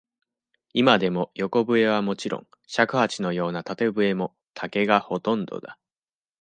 今でも、横笛はもちろん、尺八のような縦笛も、竹がほとんどだ。